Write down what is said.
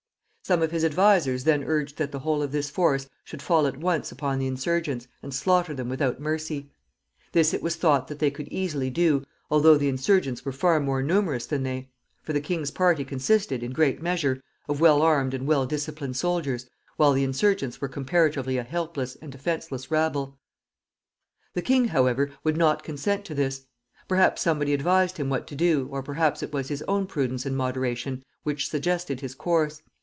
Some of his advisers then urged that the whole of this force should fall at once upon the insurgents, and slaughter them without mercy. This it was thought that they could easily do, although the insurgents were far more numerous than they; for the king's party consisted, in great measure, of well armed and well disciplined soldiers, while the insurgents were comparatively a helpless and defenseless rabble. The king, however, would not consent to this. Perhaps somebody advised him what to do, or perhaps it was his own prudence and moderation which suggested his course.